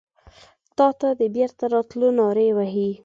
تاته د بیرته راتلو نارې وهې